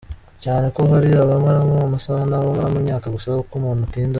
cyane ko hari abamaramo amasaha n’abamaramo imyaka gusa uko umuntu atinda